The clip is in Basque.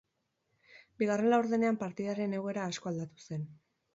Bigarren laurdenean partidaren egoera asko aldatu zen.